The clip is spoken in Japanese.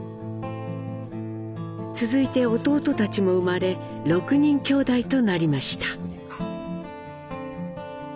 続いて弟たちも生まれ６人きょうだいとなりました。